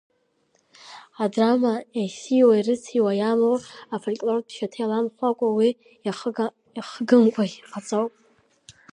Адрама Ес-ииуа ирыциуа иамоу афольклортә шьаҭа еиламхәакәа, уи иахыгамкәа иҟаҵоуп.